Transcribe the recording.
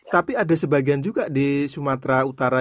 tapi ada sebagian juga di sumatera utara